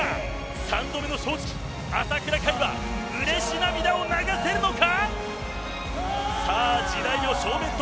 ３度目の正直、朝倉海はうれし涙を流せるのか。